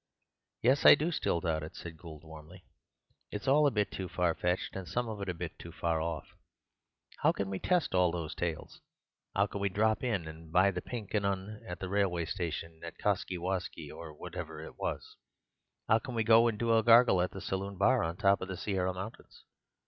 "Yes, I do still doubt it," said Gould warmly. "It's all a bit too far fetched, and some of it a bit too far off. 'Ow can we test all those tales? 'Ow can we drop in and buy the 'Pink 'Un' at the railway station at Kosky Wosky or whatever it was? 'Ow can we go and do a gargle at the saloon bar on top of the Sierra Mountains?